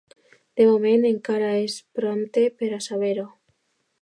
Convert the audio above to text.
De moment encara és prompte per a saber-ho.